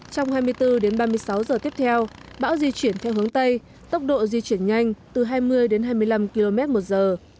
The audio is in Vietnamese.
trong hai mươi bốn đến ba mươi sáu giờ tiếp theo bão di chuyển theo hướng tây tốc độ di chuyển nhanh từ hai mươi đến hai mươi năm km một giờ